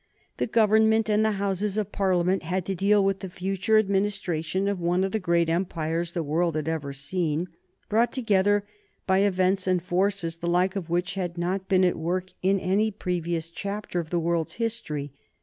The Government and the Houses of Parliament had to deal with the future administration of one of the greatest empires the world had ever seen, brought together by events and forces the like of which had not been at work in any previous chapter of the world's history.